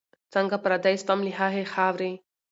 څنګه پردی سوم له هغي خاوري